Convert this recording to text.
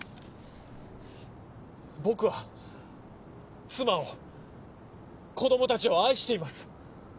僕は妻を子供たちを愛しています。